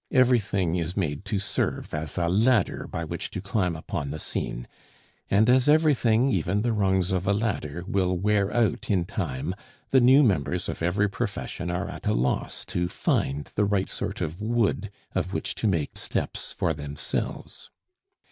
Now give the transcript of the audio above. Everything is made to serve as a ladder by which to climb upon the scene; and as everything, even the rungs of a ladder, will wear out in time, the new members of every profession are at a loss to find the right sort of wood of which to make steps for themselves.